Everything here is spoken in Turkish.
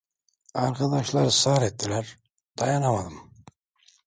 Arkadaşlar ısrar ettiler, dayanamadım!